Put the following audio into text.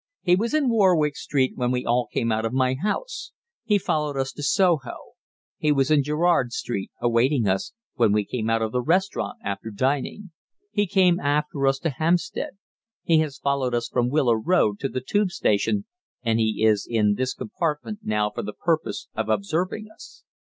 He was in Warwick Street when we all came out of my house; he followed us to Soho; he was in Gerrard Street, awaiting us, when we came out of the restaurant after dining; he came after us to Hampstead; he has followed us from Willow Road to the Tube station, and he is in this compartment now for the purpose of observing us.